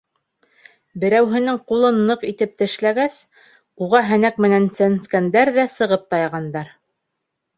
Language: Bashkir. Берәүһенең ҡулын ныҡ итеп тешләгәс, уға һәнәк менән сәнскәндәр ҙә сығып тайғандар.